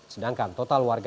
sedangkan total warga